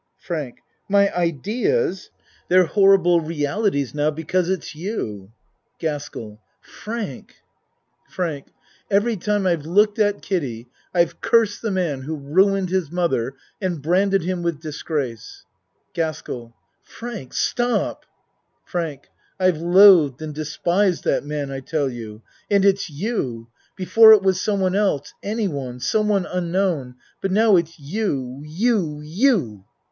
FRANK My ideas! They're horrible realities io 4 A MAN'S WORLD now because it's you. GASKELL Frank FRANK Every time I've looked at Kiddie I've cursed the man who ruined his mother and branded him with disgrace. GASKELL Frank, stop! FRANK I've loathed and despised that man, I tell you and it's you. Before it was someone else any one some one unknown, but now it's you you you.